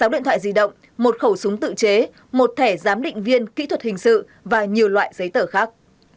sáu điện thoại di động một khẩu súng tự chế một thẻ giám định viên kỹ thuật hình sự và nhiều loại giấy tờ khác